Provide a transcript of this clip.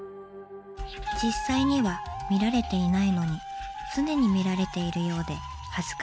実際には見られていないのに常に見られているようで恥ずかしい。